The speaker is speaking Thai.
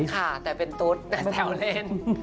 ค่ะแต่เป็นตุ๊ดแต่แซวเล่น